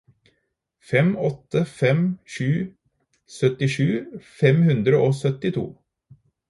fem åtte fem sju syttisju fem hundre og syttito